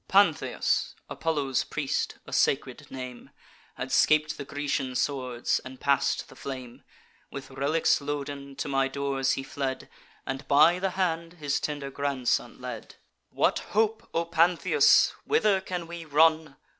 "Pantheus, Apollo's priest, a sacred name, Had scap'd the Grecian swords, and pass'd the flame: With relics loaden, to my doors he fled, And by the hand his tender grandson led. 'What hope, O Pantheus? whither can we run?